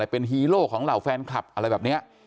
เป็นฮีโร่ของเหล่าแฟนคลับอะไรแบบนี้